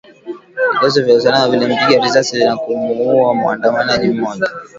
Vikosi vya usalama vilimpiga risasi na kumuuwa muandamanaji mmoja